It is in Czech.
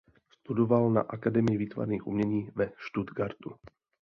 Studoval na akademii výtvarných umění ve Stuttgartu.